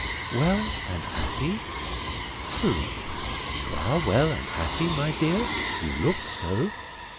'Well and happy.' Truly. You are well and happy, my dear? You look so."